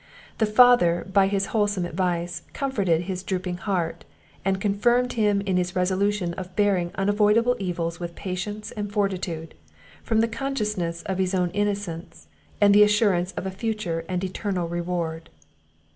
The father, by his wholesome advice, comforted his drooping heart, and confirmed him in his resolution of bearing unavoidable evils with patience and fortitude, from the consciousness of his own innocence, and the assurance of a future and eternal reward.